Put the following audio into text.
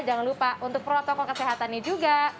jangan lupa untuk protokol kesehatannya juga